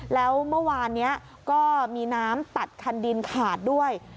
แล้วเมื่อวานนี้ก็มีน้ำตัดคันดินขาดด้วย